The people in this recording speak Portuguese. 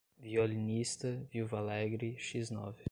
violinista, viúva alegre, x nove